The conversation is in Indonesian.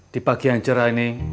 di pagi yang cerah ini